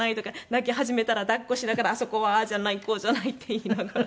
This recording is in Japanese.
泣き始めたら抱っこしながらあそこはああじゃないこうじゃないって言いながら。